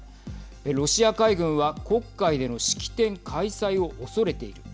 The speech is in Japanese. ロシア海軍は黒海での式典開催を恐れている。